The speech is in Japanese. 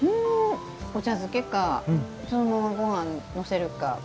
お茶漬けかそのまま、ごはんにのせるか。